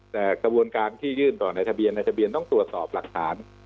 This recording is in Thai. แต่กระบวนการที่ยื่นต่อในทะเบียนในทะเบียนต้องตรวจสอบหลักฐาน